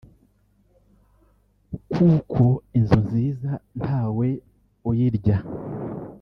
kuko inzu nziza ntawe uyirya